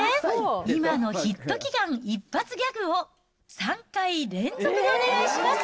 今のヒット祈願一発ギャグを、３回連続でお願いします。